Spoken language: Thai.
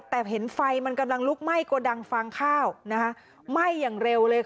แต่เห็นไฟมันกำลังลุกไหม้โกดังฟางข้าวนะคะไหม้อย่างเร็วเลยค่ะ